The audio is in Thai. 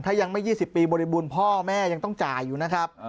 ถ้ายังไม่๒๐ปีบริบูรณ์พ่อแม่ยังต้องจ่ายอยู่นะครับ